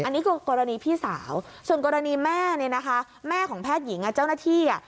อันนี้คือกรณีพี่สาวส่วนกรณีแม่เนี่ยนะคะแม่ของแพทย์หญิงเจ้าหน้าที่อ่ะ